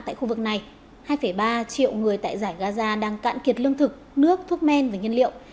tại khu vực này hai ba triệu người tại giải gaza đang cạn kiệt lương thực nước thuốc men và nhiên liệu